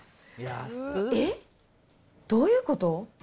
えっ？どういうこと？